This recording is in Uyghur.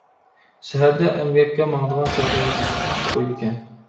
سەھەردە ئەمگەككە ماڭىدىغان چاغدا يېشىپ قويىدىكەن.